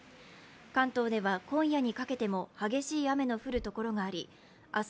関東では今夜にかけても激しい雨の降るところがあり明日